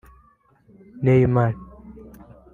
Neymar